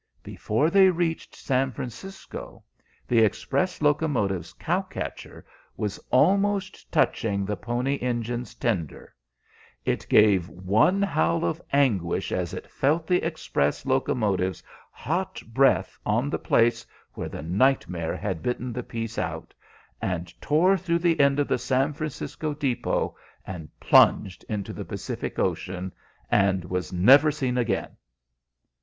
Before they reached San Francisco, the Express locomotive's cow catcher was almost touching the Pony Engine's tender; it gave one howl of anguish as it felt the Express locomotive's hot breath on the place where the nightmare had bitten the piece out, and tore through the end of the San Francisco depot, and plunged into the Pacific Ocean, and was never seen again.